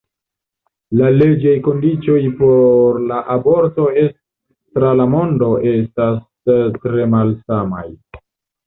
La leĝaj kondiĉoj por la aborto tra la mondo estas tre malsamaj.